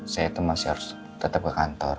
saya tuh masih harus tetep ke kantor